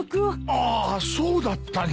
ああそうだったな。